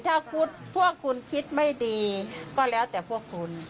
ถ้าพวกคุณคิดไม่ดีก็แล้วแต่พวกคุณ